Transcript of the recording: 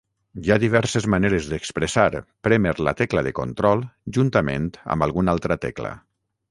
Hi ha diverses maneres d'expressar prémer la tecla de Control juntament amb alguna altra tecla.